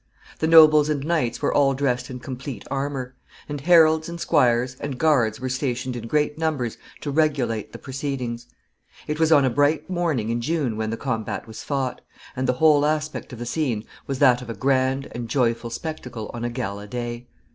The nobles and knights were all dressed in complete armor; and heralds, and squires, and guards were stationed in great numbers to regulate the proceedings. It was on a bright morning in June when the combat was fought, and the whole aspect of the scene was that of a grand and joyful spectacle on a gala day.